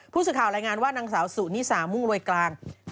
พูดสื่อข่าวไลงานว่านางสาวสุนิษรามุ่งโรยกลาง